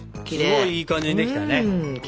すごいいい感じにできたね。